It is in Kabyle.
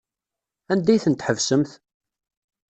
Anda ay ten-tḥesbemt?